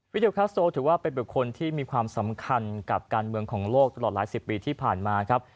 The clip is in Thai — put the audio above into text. โยคาโซถือว่าเป็นบุคคลที่มีความสำคัญกับการเมืองของโลกตลอดหลายสิบปีที่ผ่านมาครับ